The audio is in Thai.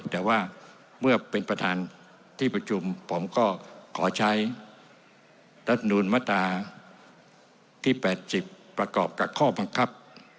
แต่ว่าเมื่อเป็นประธานที่ประชุมผมก็ขอใช้รัฐมนุนมาตราที่๘๐ประกอบกับข้อบังคับ